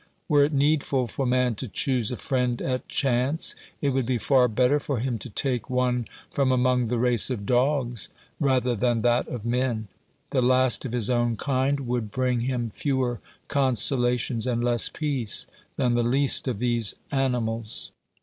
Were it needful for man to choose a friend at chance, it would be far better for him to take one from among the race of dogs rather than that of men. The last of his own kind would bring him fewer consolations and less peace than the least of these animals.